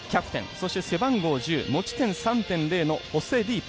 そして背番号１０持ち点３．０のホセ・リープ。